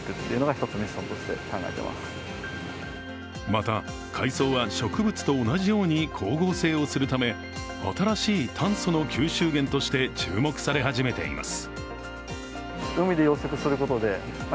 また海藻は、植物と同じように光合成をするため新しい炭素の吸収源として注目され始めています。